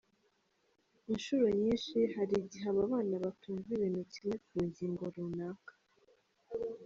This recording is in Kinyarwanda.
Inshuro nyinshi hari igihe ababana batumva ibintu kimwe ku ngingo runaka.